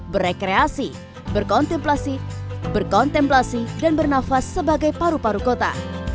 berrekreasi berkontemplasi berkontemplasi dan bernafas sebagai paru paru kota